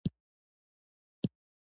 هغه په جشن کې پر طلايي څوکۍ ودرېد.